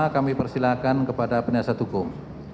pertama kami persilahkan kepada penyiasat hukum